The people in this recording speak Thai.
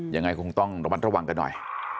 ยังไงคงต้องระมัดระวังกันหน่อย